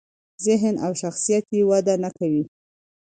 ذهن او شخصیت یې وده نکوي.